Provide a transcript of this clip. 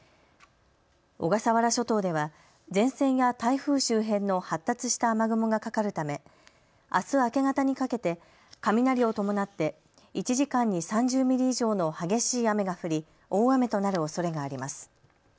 小笠原諸島では前線や台風周辺の発達した雨雲がかかるためあす明け方にかけて雷を伴って１時間に３０ミリ以上の激しい雨が降り大雨となるおそれがあります。